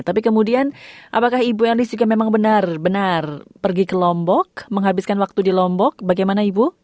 tapi kemudian apakah ibu erlis juga memang benar benar pergi ke lombok menghabiskan waktu di lombok bagaimana ibu